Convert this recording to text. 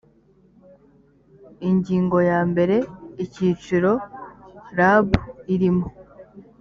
ingingo ya mbere icyiciro rab irimo